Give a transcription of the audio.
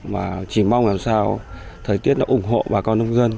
mà chỉ mong làm sao thời tiết nó ủng hộ bà con nông dân